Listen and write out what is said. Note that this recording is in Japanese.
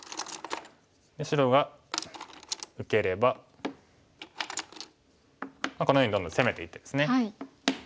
で白が受ければこのようにどんどん攻めていってですね。